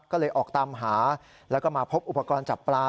ก็เลยออกตามหาแล้วก็มาพบอุปกรณ์จับปลา